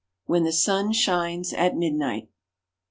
WHERE THE SUN SHINES AT MIDNIGHT.